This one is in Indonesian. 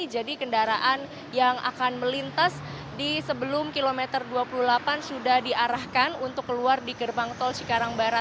jadi kendaraan yang akan melintas di sebelum kilometer dua puluh delapan sudah diarahkan untuk keluar di gerbang tol cikarang barat tiga